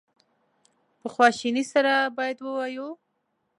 په خواشینی سره باید ووایو.